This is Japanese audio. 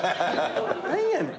何やねん。